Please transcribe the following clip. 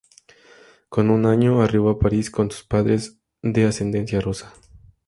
Con un año, arribó a París, con sus padres de ascendencia rusa.